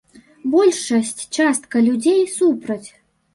Большасць частка людзей супраць.